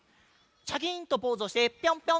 シャキンとポーズをしてピョンピョン！